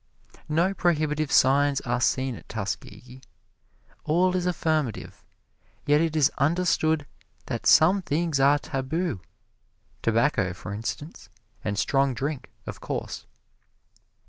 No prohibitive signs are seen at Tuskegee. All is affirmative, yet it is understood that some things are tabu tobacco, for instance, and strong drink, of course.